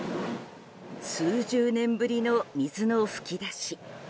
数十年ぶりの水の噴き出し。